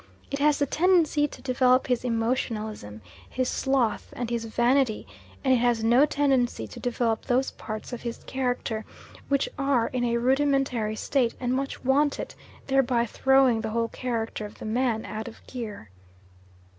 It has the tendency to develop his emotionalism, his sloth, and his vanity, and it has no tendency to develop those parts of his character which are in a rudimentary state and much want it; thereby throwing the whole character of the man out of gear.